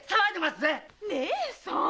義姉さん！